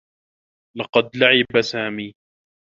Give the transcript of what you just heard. لقد لعب سامي.